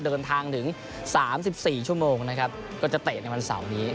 เดินทางถึง๓๔ชั่วโมงนะครับก็จะเตะในวันเสาร์นี้